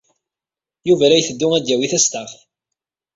Yuba la yetteddu ad yawi tastaɣt.